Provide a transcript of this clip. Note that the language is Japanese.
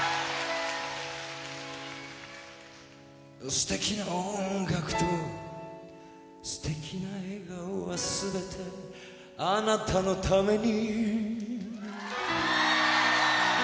素敵な音楽と素敵な笑顔は全てあなたのために。